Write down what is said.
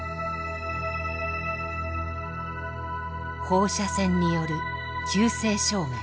放射線による急性障害。